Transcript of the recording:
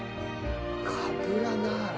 カブラナーラ。